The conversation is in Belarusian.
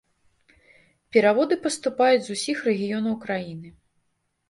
Пераводы паступаюць з усіх рэгіёнаў краіны.